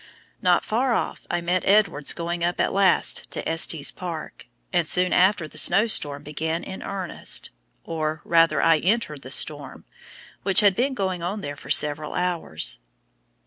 Not far off I met Edwards going up at last to Estes Park, and soon after the snow storm began in earnest or rather I entered the storm, which had been going on there for several hours.